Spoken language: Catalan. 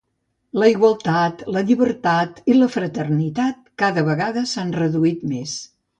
La igualtat, la llibertat i la fraternitat cada vegada s’han reduït més.